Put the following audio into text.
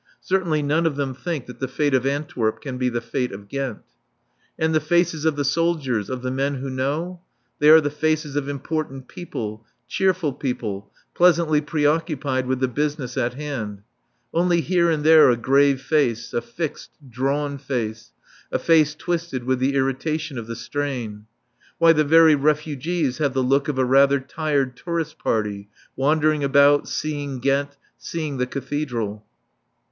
Certainly none of them think that the fate of Antwerp can be the fate of Ghent. And the faces of the soldiers, of the men who know? They are the faces of important people, cheerful people, pleasantly preoccupied with the business in hand. Only here and there a grave face, a fixed, drawn face, a face twisted with the irritation of the strain. Why, the very refugees have the look of a rather tired tourist party, wandering about, seeing Ghent, seeing the Cathedral.